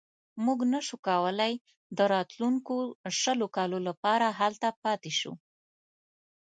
موږ نه شو کولای د راتلونکو شلو کالو لپاره هلته پاتې شو.